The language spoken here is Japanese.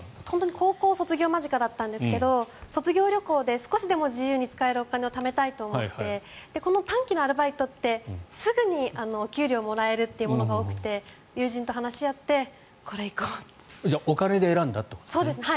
高校卒業間近だったんですけど卒業旅行で少しでも自由に使えるお金を貯めたいと思ってこの短期のアルバイトってすぐに給料をもらえるものが多くて友人と話し合ってこれ、行こうって。